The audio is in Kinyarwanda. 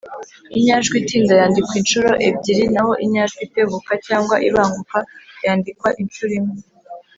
Inyajwi itinda yandikwa inshuro ebyiri na ho inyajwi itebuka cyangwa ibanguka yandikwa inshuro imwe.